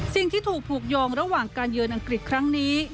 สิ่งที่ถูกผูกโยงระหว่างการเยือนอังกฤษครั้งนี้